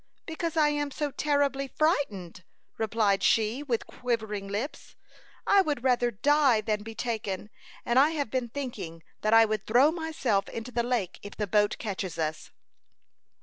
"Because I am so terribly frightened," replied she, with quivering lips. "I would rather die than be taken; and I have been thinking that I would throw myself into the lake if the boat catches us."